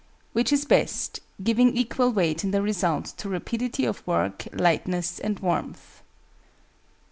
Which is best, giving equal weight in the result to rapidity of work, lightness, and warmth?